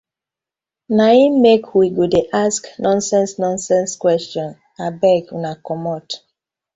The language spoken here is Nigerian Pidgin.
Na im mek we go dey ask nonsense nonsense question, abeg una komot.